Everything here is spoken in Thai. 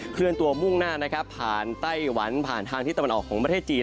เลื่อนตัวมุ่งหน้านะครับผ่านไต้หวันผ่านทางที่ตะวันออกของประเทศจีน